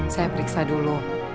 saya periksa dulu